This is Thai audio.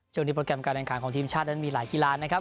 โปรแกรมการแข่งขันของทีมชาตินั้นมีหลายกีฬานะครับ